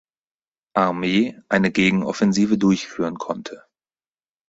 Armee eine Gegenoffensive durchführen konnte.